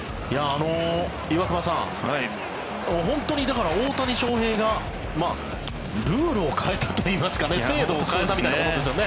岩隈さん、本当に大谷翔平がルールを変えたといいますか制度を変えたわけですよね。